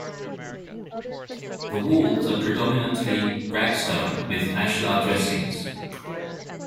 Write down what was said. The walls are predominantly rag-stone with ashlar dressings.